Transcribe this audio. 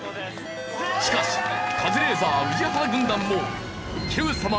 しかしカズレーザー＆宇治原軍団も『Ｑさま！！』